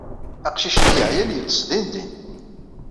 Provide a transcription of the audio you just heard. Aqcic-nni yeɛyan yeḍḍes dindin.